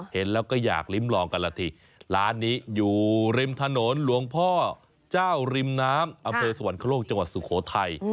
เห็นแล้วก็อยากริมรองกันล่ะร้านนี้อยู่ริมถนนลวงพ่อเจ้าริมน้ำอสวรรคลกจสุโขทัย